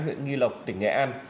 huyện nghi lộc tỉnh nghệ an